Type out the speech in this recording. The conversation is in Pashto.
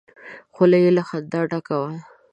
خوله يې له خندا ډکه وه!